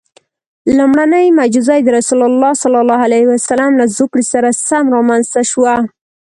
لومړنۍ معجزه یې د رسول الله له زوکړې سره سم رامنځته شوه.